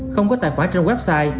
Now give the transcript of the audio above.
không có tài khoản trên website